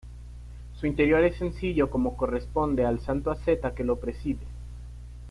Su interior es sencillo como corresponde al santo asceta que lo preside.